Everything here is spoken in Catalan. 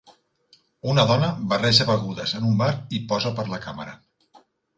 Una dona barreja begudes en un bar i posa per la càmera.